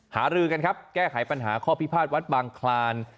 หารือกันครับแก้ไขปัญหาข้อพิพาทวัดบางคลาน